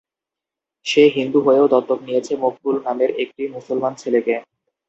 সে হিন্দু হয়েও দত্তক নিয়েছে মকবুল নামের একটি মুসলমান ছেলেকে।